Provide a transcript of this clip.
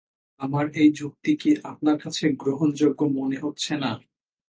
আমার এই যুক্তি কি আপনার কাছে গ্রহণযোগ্য মনে হচ্ছে?